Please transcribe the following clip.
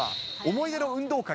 思い出の運動会？